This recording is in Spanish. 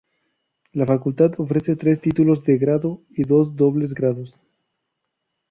La facultad oferta tres títulos de grado y dos dobles grados.